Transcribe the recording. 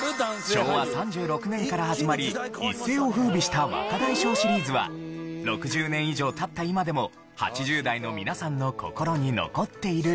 昭和３６年から始まり一世を風靡した『若大将』シリーズは６０年以上経った今でも８０代の皆さんの心に残っている様子。